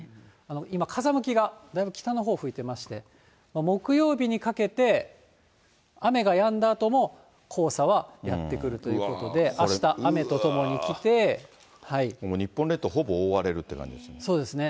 今、風向きがだいぶ北のほう吹いてまして、木曜日にかけて雨がやんだあとも黄砂はやって来るということで、日本列島、そうですね。